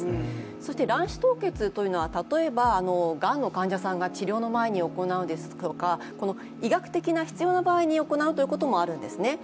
そして卵子凍結というのは例えば、がんの患者さんが治療の前に行うですとか、医学的に必要な場合に使ういうこともあるんですね。